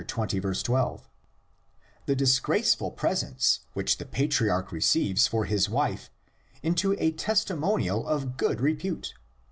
12), the disgraceful presents which the patriarch receives for his wife into a testimonial of good repute (xx.